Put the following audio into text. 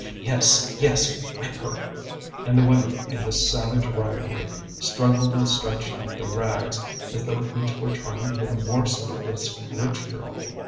"Yes, yes! whip her!" And the women, in this savage rivalry, struggled and stretched out their rags, as though each were trying to get a morsel of this rich girl.